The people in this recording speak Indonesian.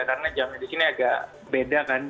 karena jamnya di sini agak beda kan